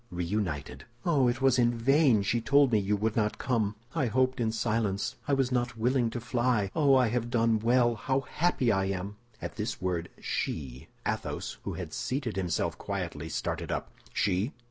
Reunited!" "Oh, it was in vain she told me you would not come! I hoped in silence. I was not willing to fly. Oh, I have done well! How happy I am!" At this word she, Athos, who had seated himself quietly, started up. "_She!